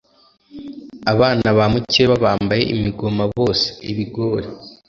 Abana ba mukeba bambaye imigoma bose-Ibigori.